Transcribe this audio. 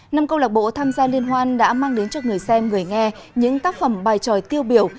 năm câu lạc bộ tham gia liên hoan đã mang đến cho người xem người nghe những tác phẩm bài tròi tiêu biểu